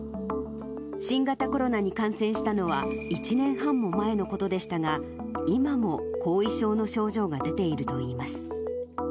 新型コロナに感染したのは１年半も前のことでしたが、今も後遺症の症状が出ているといいます。